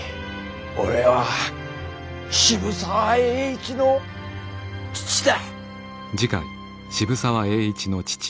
俺は渋沢栄一の父だ。